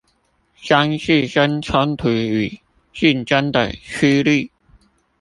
將自身衝突與競爭的趨力